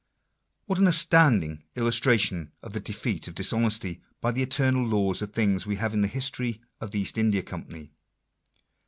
What an astounding illustration of the defeat of dishonesty by the eternal laws of things we have in the history of the East India Company!